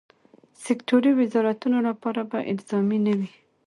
سکټوري وزارتونو لپاره به الزامي نه وي.